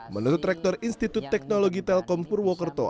menurut rektor institut teknologi telkom purwokerto